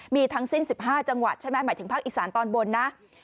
มีทั้งสิ้น๑๕จังหวัดหมายถึงภาคอีสานตอนบน